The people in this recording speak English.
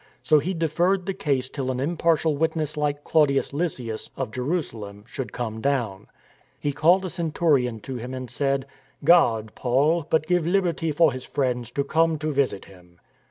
So he deferred the case till an impartial witness like Claudius Lysias, of Jeru salem, should come down. He called a centurion to him and said :" Guard Paul, but give liberty for his friends to come to visit him."